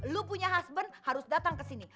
lo punya husband harus datang kesini